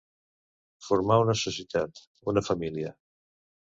Formar una societat, una família.